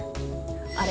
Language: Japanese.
あれ。